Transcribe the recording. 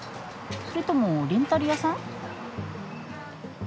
それともレンタル屋さん？